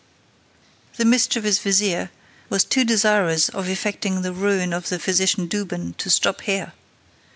The mischievous vizier was too desirous of effecting the ruin of the physician Douban to stop here.